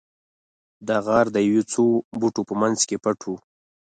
دا غار د یو څو بوټو په مینځ کې پټ و